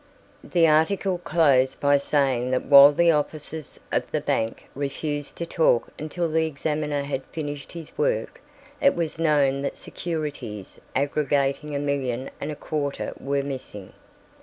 The article closed by saying that while the officers of the bank refused to talk until the examiner had finished his work, it was known that securities aggregating a million and a quarter were missing.